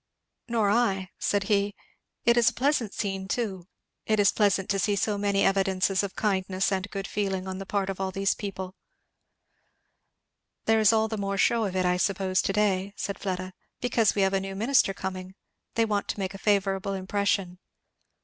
"Nor I," said he. "It is a pleasant scene too, it is pleasant to see so many evidences of kindness and good feeling on the part of all these people." "There is all the more shew of it, I suppose, to day," said Fleda, "because we have a new minister coming; they want to make a favourable impression."